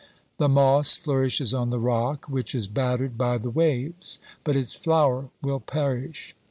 The moss flourishes on the rock which is battered by the waves, but its flower will perish.